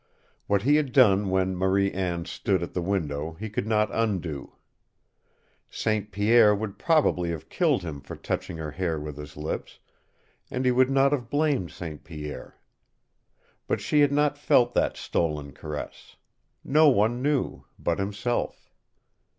What he had done when Marie Anne stood at the window he could not undo. St. Pierre would probably have killed him for touching her hair with his lips, and he would not have blamed St. Pierre. But she had not felt that stolen caress. No one knew but himself.